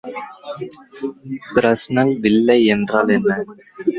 Fresnel வில்லை என்றால் என்ன?